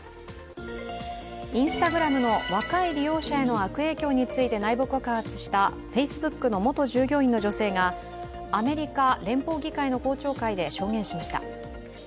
Ｉｎｓｔａｇｒａｍの若い利用者への悪影響について内部告発したＦａｃｅｂｏｏｋの元従業員の女性がアメリカ連邦議会の公聴会で証言しました。